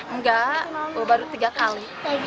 enggak baru tiga kali